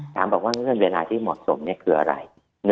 ถามเราบอกว่าเรื่องเวลาที่เหมาะสมนี่คืออะไร